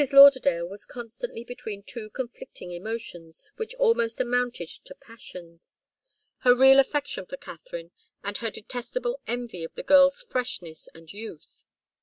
Lauderdale was constantly between two conflicting emotions, which almost amounted to passions, her real affection for Katharine, and her detestable envy of the girl's freshness and youth.